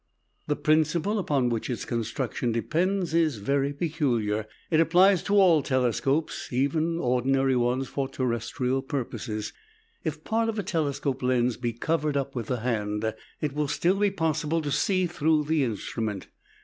The principle upon which its construction depends is very peculiar, and applies to all telescopes, even ordinary ones for terrestrial purposes. If part of a telescope lens be covered up with the hand, it will still be possible to see through the instrument.